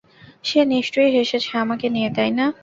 সে নিশ্চয়ই হেসেছে আমাকে নিয়ে তাইনা?